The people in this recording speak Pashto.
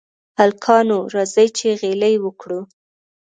هلکانو! راځئ چې غېلې وکړو.